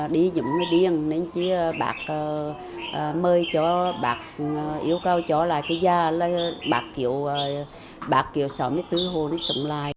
đi dụng điên nên chứ bác mời cho bác yêu cầu cho lại cái gia bác kêu sáu mươi bốn hộ nó sống lại